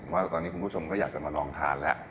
ว่าตอนนี้คุณผู้ชมก็อยากจะมาลองทานแล้ว